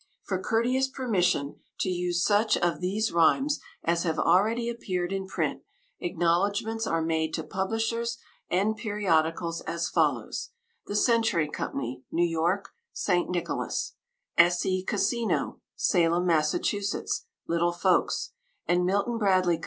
_ For courteous permission to use such of these rhymes as have already appeared in print, acknowledgments are made to publishers and periodicals as follows: The Century Company, New York (St. Nicholas); S. E. Cassino, Salem, Massachusetts (Little Folks); and Milton Bradley Co.